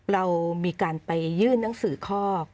เรามีการไปยื่นหนังสือข้อ